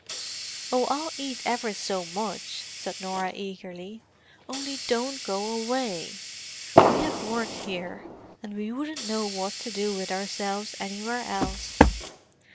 "Oh, I'll eat ever so much," said Norah eagerly. "Only don't go away: we have work here, and we wouldn't know what to do with ourselves anywhere else.